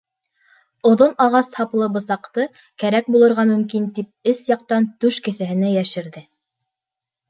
Оҙон ағас һаплы бысаҡты, кәрәк булырға мөмкин тип, эс яҡтан түш кеҫәһенә йәшерҙе.